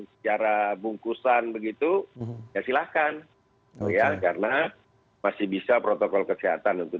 secara bungkusan begitu ya silahkan ya karena masih bisa protokol kesehatan untuk